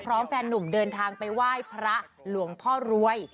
แฟนหนุ่มเดินทางไปไหว้พระหลวงพ่อรวย